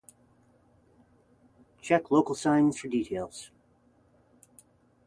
Check local signs for details.